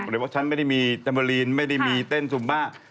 แปลว่าฉันไม่ได้มีเทมโบรีนไม่ได้มีเต้นซุมบ้า